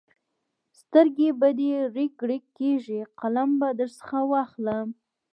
سترګې به دې رېګ رېګ کېږي؛ قلم به درڅخه واخلم.